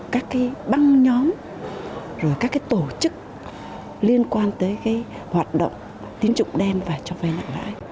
các băng nhóm các tổ chức liên quan tới hoạt động tín dụng đen và cho vay nặng lãi